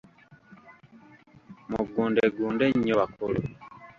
Mugundegunde nnyo bakulu!